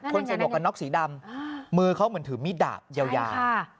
คนใส่หมวกกันน็อกสีดำมือเขาเหมือนถือมีดดาบยาว